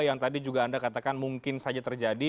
yang tadi juga anda katakan mungkin saja terjadi